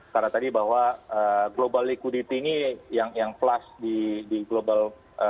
karena tadi bahwa global liquidity ini yang flash di global